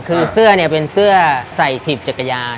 คือเสื้อเนี่ยเป็นเสื้อใส่ถีบจักรยาน